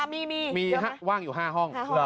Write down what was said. มีมีว่างอยู่๕ห้อง